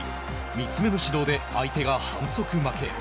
３つ目の指導で相手が反則負け。